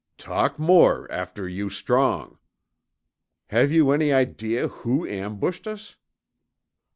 "Talk more after you strong." "Have you any idea who ambushed us?"